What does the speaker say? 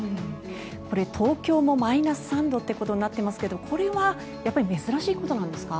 これ、東京もマイナス３度となっていますがこれは珍しいことなんですか？